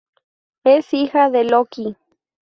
Es hija de Loki.